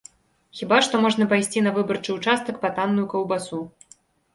Хіба што можна пайсці на выбарчы ўчастак па танную каўбасу.